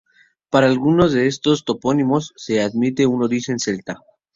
Para algunos de estos topónimos se admite un origen celta.